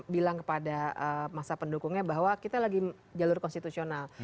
bilang kepada masa pendukungnya bahwa kita lagi jalur konstitusional